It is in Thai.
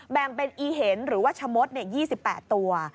แบ่งเป็นอีเห็นหรือว่าชะมด๒๘ตัว